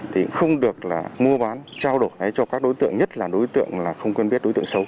thì không được là mua bán trao đổi cho các đối tượng nhất là đối tượng là không quen biết đối tượng xấu